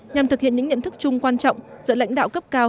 nhằm thực hiện những nhận thức chung quan trọng giữa lãnh đạo cấp cao